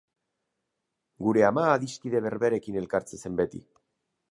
Gure ama adiskide berberekin elkartzen zen beti.